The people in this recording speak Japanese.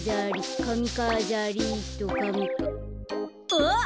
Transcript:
あっ！